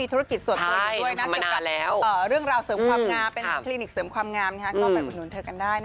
ซีรีส์แต่ว่ายังไม่ได้เริ่มถ่าย